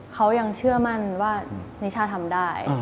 เขายังเชื่อมั่นว่านิชาทำได้